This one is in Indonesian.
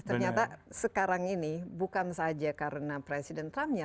ternyata sekarang ini bukan saja karena presiden trump nya